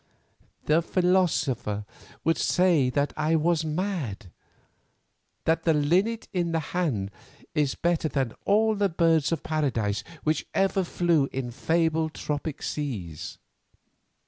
"The philosopher would say that I was mad; that the linnet in the hand is better than all the birds of paradise which ever flew in fabled tropic seas.